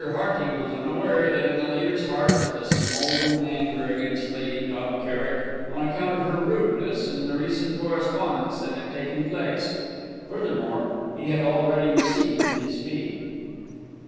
Hearty was unaware that in the leader's heart was a smouldering anger against Lady Knob Kerrick on account of her rudeness in the recent correspondence that had taken place. Furthermore, he had already received his fee.